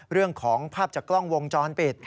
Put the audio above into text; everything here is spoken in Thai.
เรื่องของภาพจากกล้องวงจรปิด